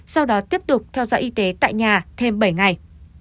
sau đó tiếp tục theo dõi y tế tại nhà thêm bảy ngày